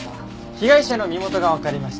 被害者の身元がわかりました。